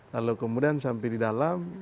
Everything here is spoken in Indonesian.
lalu kemudian sampai di dalam